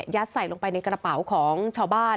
ใส่ลงไปในกระเป๋าของชาวบ้าน